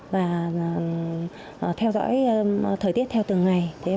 và theo dõi thời tiết theo từng ngày